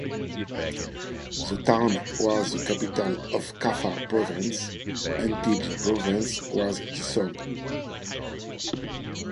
The town was the capital of Kaffa Province until the province was dissolved.